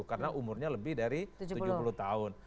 karena umurnya lebih dari tujuh puluh tahun